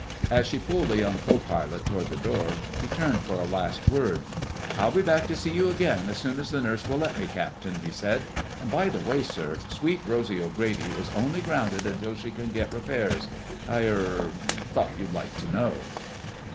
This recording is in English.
As she pulled the young co pilot toward the door he turned for a last word. "I'll be back to see you again as soon as the nurse will let me, Captain," he said. "And, by the way sir, Sweet Rosy O'Grady is only grounded until she can get repairs. I—er—thought you'd like to know."